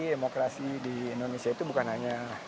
demokrasi di indonesia itu bukan hanya